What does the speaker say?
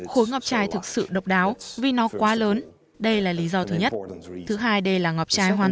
khối ngọc trai thực sự độc đáo vì nó quá lớn đây là lý do thứ nhất thứ hai đây là ngọc trai hoàn